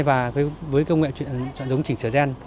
và với công nghệ chọn giống chỉnh sửa ren